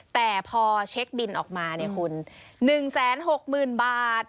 แต่พอเช็คบินออกมาเนี่ยคุณ๑๖๐๐๐บาท